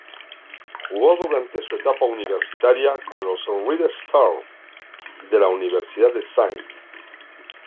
Jugó durante su etapa universitaria con los "Red Storm" de la Universidad de St.